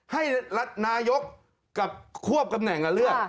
ให้นายกกับควบตำแหน่งเลือก